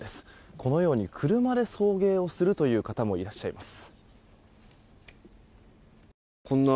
このように車で送迎をするという方もいらっしゃいます。